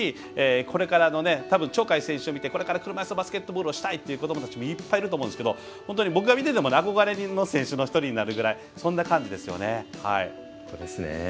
これから鳥海選手を見てこれから車いすバスケットボールをしたいっていう子どもたちもいっぱいいると思うんですけど僕が見てても憧れの選手の一人になるぐらいですね。